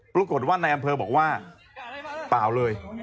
ปรากฏว่าในอำเภอบอกว่าเปล่าเลย